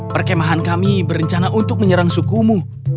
perkemahan kami berencana untuk menyerang suku mu